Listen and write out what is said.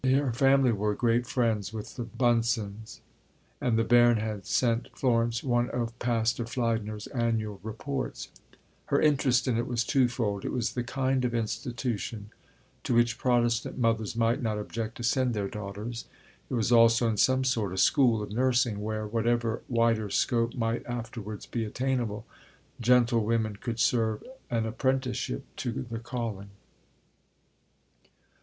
Her family were great friends with the Bunsens, and the Baron had sent Florence one of Pastor Fliedner's Annual Reports. Her interest in it was twofold. It was the kind of institution to which Protestant mothers might not object to send their daughters. It was also in some sort a school of nursing where, whatever wider scope might afterwards be attainable, gentlewomen could serve an apprenticeship to the calling.